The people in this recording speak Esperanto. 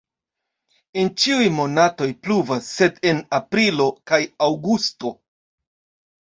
En ĉiuj monatoj pluvas, sed en aprilo kaj aŭgusto.